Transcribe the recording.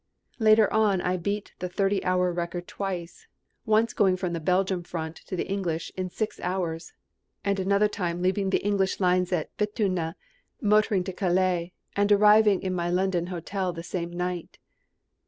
Later on I beat the thirty hour record twice, once going from the Belgian front to England in six hours, and another time leaving the English lines at Béthune, motoring to Calais, and arriving in my London hotel the same night.